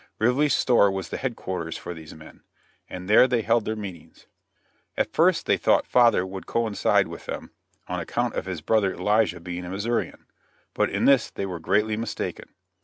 Rively's store was the headquarters for these men, and there they held their meetings. [Illustration: STAKING OUT LOTS.] At first they thought father would coincide with them on account of his brother Elijah being a Missourian, but in this they were greatly mistaken.